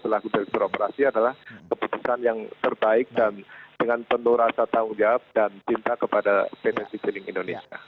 selaku direktur operasi adalah keputusan yang terbaik dan dengan penuh rasa tanggung jawab dan cinta kepada pt citylink indonesia